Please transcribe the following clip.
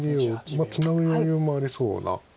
まあツナぐ余裕もありそうな。